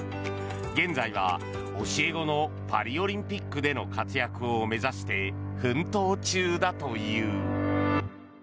現在は教え子のパリオリンピックでの活躍を目指して、奮闘中だという。